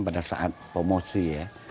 pada saat promosi ya